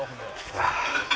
ああ。